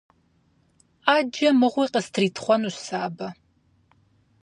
Ӏэджэ мыгъуи къыстритхъуэнущ сэ абы.